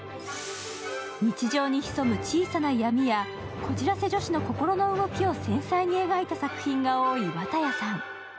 日常に潜む小さな闇やこじらせ女子の心の動きを繊細に描いた作品が多い綿矢さん。